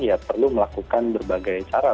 ya perlu melakukan berbagai cara